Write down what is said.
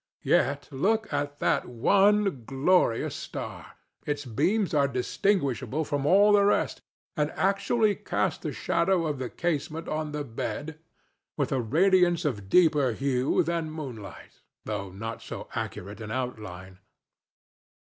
Yet look at that one glorious star! Its beams are distinguishable from all the rest, and actually cast the shadow of the casement on the bed with a radiance of deeper hue than moonlight, though not so accurate an outline.